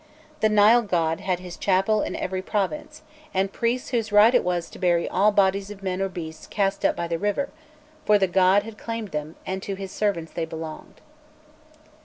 The Nile god had his chapel in every province, and priests whose right it was to bury all bodies of men or beasts cast up by the river; for the god had claimed them, and to his servants they belonged.